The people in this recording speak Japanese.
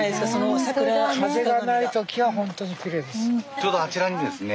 ちょうどあちらにですね